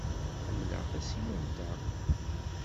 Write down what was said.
Ḥemmleɣ tasiwant-a.